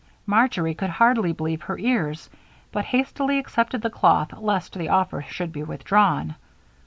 Marjory could hardly believe her ears, but hastily accepted the cloth lest the offer should be withdrawn.